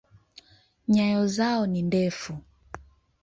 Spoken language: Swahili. Nyayo zao ni ndefu.